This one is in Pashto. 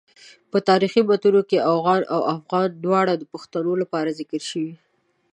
په تاریخي متونو کې اوغان او افغان دواړه د پښتنو لپاره ذکر شوي.